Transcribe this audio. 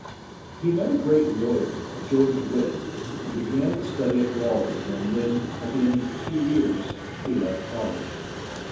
He met a great law yer, George Wythe, and be gan the stu dy of law with him when, at the end of two years, he left col lege.